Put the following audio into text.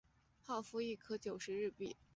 泡芙一颗九十日币